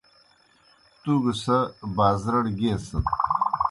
تُوْ گہ سہ بازرَڑ گیئسَت۔